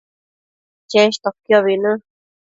cheshtoquiobi në